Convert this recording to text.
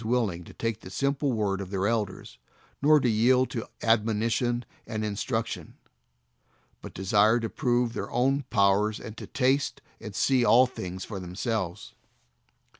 141 willing to take the simple word of their elders, nor to yield to admonition and in struction, but desire to prove their own powers, and to taste and see all things for themselves.